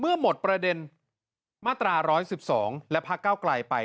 เมื่อหมดประเด็นมาตรา๑๑๒และพักเก้าไกลไป